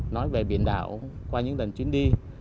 nói về biển đảo qua những lần chuyến đi